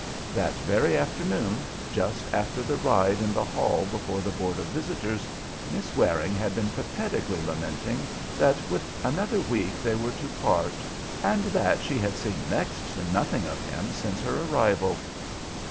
That very afternoon, just after the ride in the hall before the Board of Visitors, Miss Waring had been pathetically lamenting that with another week they were to part, and that she had seen next to nothing of him since her arrival.